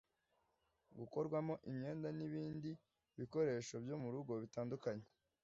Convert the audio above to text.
gukorwamo imyenda n’ibindi bikoresho byo mu rugo bitandukanye